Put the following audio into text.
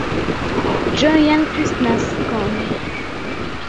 Ĝojan Kristnaskon!